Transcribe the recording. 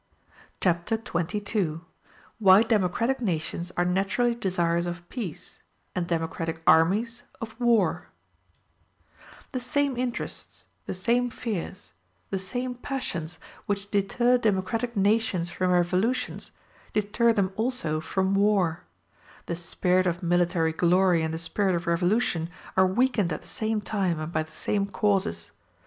Chapter XXII: Why Democratic Nations Are Naturally Desirous Of Peace, And Democratic Armies Of War The same interests, the same fears, the same passions which deter democratic nations from revolutions, deter them also from war; the spirit of military glory and the spirit of revolution are weakened at the same time and by the same causes.